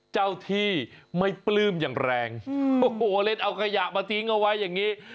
เจ้าที่ไม่ปลื้มอย่างแรงโอ้โหเล่นเอาขยะมาทิ้งเอาไว้อย่างนี้